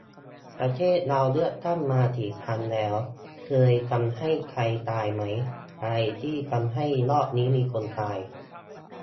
ประเทศเราเลือกตั้งมากี่ครั้งแล้ว เคยทำให้ใครตายไหม ? อะไรที่ทำให้รอบนี้มีคนตาย ?